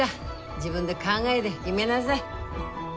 自分で考えで決めなさい。